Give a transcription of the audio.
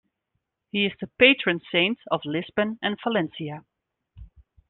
He is the patron saint of Lisbon and Valencia.